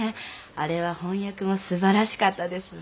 あれは翻訳もすばらしかったです。